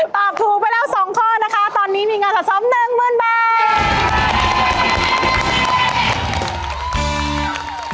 ตอบถูกไปแล้ว๒ข้อนะคะตอนนี้มีงานสำนักซ้อมหนึ่งหมื่นบาท